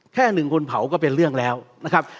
แค่หนึ่งคนเผาก็เป็นเรื่องแล้วนะครับ